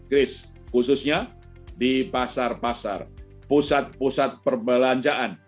inggris khususnya di pasar pasar pusat pusat perbelanjaan